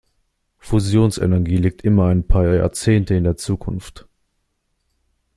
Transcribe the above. Fusionsenergie liegt immer ein paar Jahrzehnte in der Zukunft.